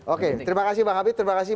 oke terima kasih bang habib terima kasih